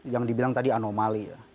yang di bilang tadi anomali